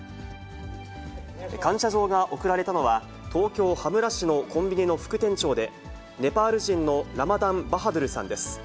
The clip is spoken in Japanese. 感謝状が贈られたのは、東京・羽村市のコンビニの副店長で、ネパール人のラマ・ダン・バハドゥルさんです。